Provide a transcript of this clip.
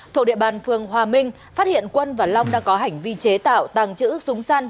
thuộc địa bàn phường hòa minh phát hiện quân và long đang có hành vi chế tạo tàng trữ súng săn